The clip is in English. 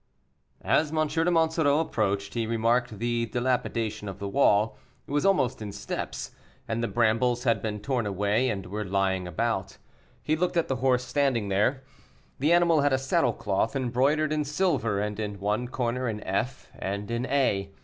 As M. de Monsoreau approached, he remarked the dilapidation of the wall; it was almost in steps, and the brambles had been torn away, and were lying about. He looked at the horse standing there. The animal had a saddle cloth embroidered in silver, and in one corner an F. and an A.